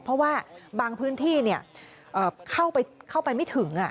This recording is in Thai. เพราะว่าบางพื้นที่เข้าไปไม่ถึง